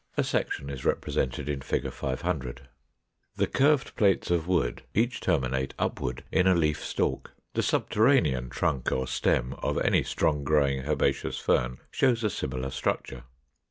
A section is represented in Fig. 500. The curved plates of wood each terminate upward in a leaf stalk. The subterranean trunk or stem of any strong growing herbaceous Fern shows a similar structure.